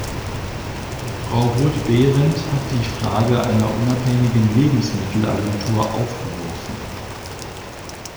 Frau Roth-Behrendt hat die Frage einer unabhängigen Lebensmittelagentur aufgeworfen.